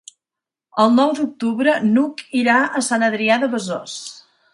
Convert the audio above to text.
El nou d'octubre n'Hug irà a Sant Adrià de Besòs.